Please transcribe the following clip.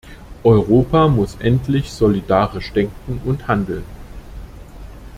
Europa muss endlich solidarisch denken und handeln.